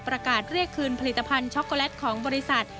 ประกาศเรียกคืนผลิตภัณฑ์ช็อกโกแลตของบริษัท